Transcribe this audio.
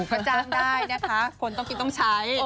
ก็จ้างได้นะคะคนต้องกินต้องใช้